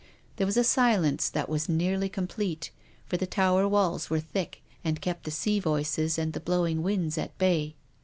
There was a silence that was nearly complete, for the tower walls were thick, and kept the sea voices and the blowing winds at bay.